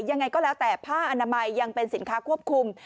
ยังไงก็แล้วแต่ผ้าอนามัยยังเป็นสินค้าควบคุม